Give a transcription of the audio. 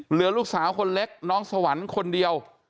เหลือลูกสาวคนเล็กน้องสวรรค์คนเดียว